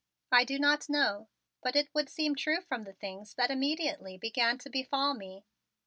I do not know, but it would seem true from the things that immediately began to befall me.